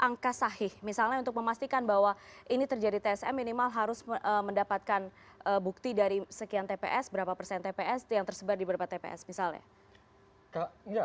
angka sahih misalnya untuk memastikan bahwa ini terjadi tsm minimal harus mendapatkan bukti dari sekian tps berapa persen tps yang tersebar di beberapa tps misalnya